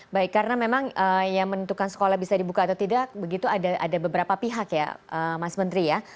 baik karena memang yang menentukan sekolah bisa dibuka atau tidak begitu ada beberapa pihak ya mas menteri ya